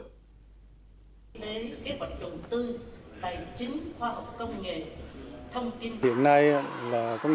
kế hoạch động tư tài chính khoa học công nghệ